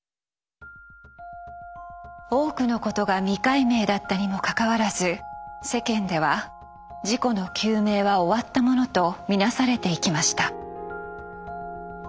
多くのことが未解明だったにもかかわらず世間では事故の究明は終わったものと見なされていきました。